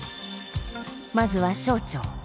まずは小腸。